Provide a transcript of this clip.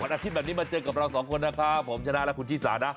อาทิตย์แบบนี้มาเจอกับเราสองคนนะครับผมชนะและคุณชิสานะ